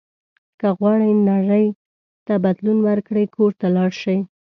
که غواړئ نړۍ ته بدلون ورکړئ کور ته لاړ شئ.